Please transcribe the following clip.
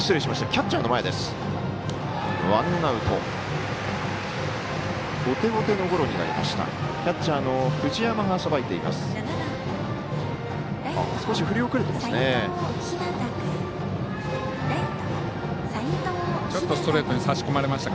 キャッチャーの藤山がさばいています。